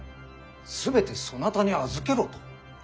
全てそなたに預けろと？